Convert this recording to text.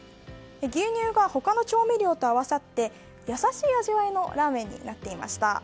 牛乳が他の調味料と合わさって、優しい味わいのラーメンになっていました。